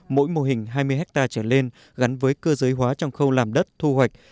mỗi mô hình hai mươi hectare trở lên gắn với cơ giới hóa trong khâu làm đất thu hoạch